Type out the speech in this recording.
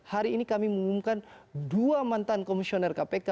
hari ini kami mengumumkan dua mantan komisioner kpk